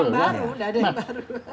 nggak ada yang baru